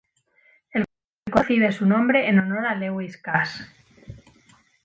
El condado recibe su nombre en honor a Lewis Cass.